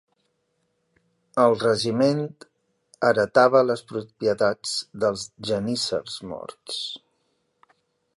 El regiment heretava les propietats dels geníssers morts.